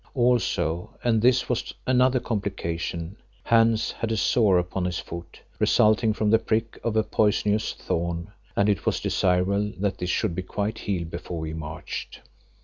Also, and this was another complication—Hans had a sore upon his foot, resulting from the prick of a poisonous thorn, and it was desirable that this should be quite healed before we marched.